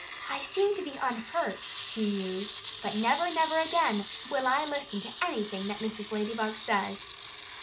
"I seem to be unhurt," he mused. "But never, never again will I listen to anything that Mrs. Ladybug says."